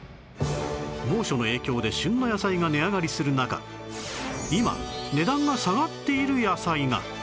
猛暑の影響で旬の野菜が値上がりする中今値段が下がっている野菜が